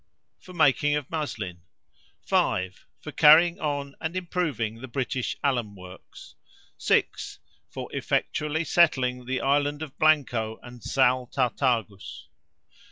For making of muslin. 5. For carrying on and improving the British alum works. 6. For effectually settling the island of Blanco and Sal Tartagus.